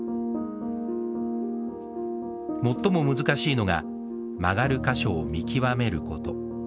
もっとも難しいのが曲がる箇所を見極めること。